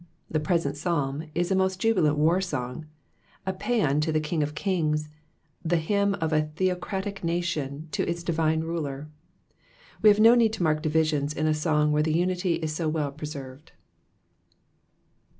The present Psalm is a most jubilant war song, a pcnan to the King of kings, the hymn of a theocratic nation to its divine ruler. We haw no need to mark divisions in a song where the unity is so toe// preserved.